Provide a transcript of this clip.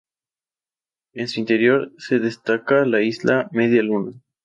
En su interior se destaca la isla Media Luna.